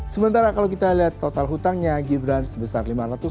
sementara kalau kita lihat total hutangnya gibran sebesar lima ratus lima puluh satu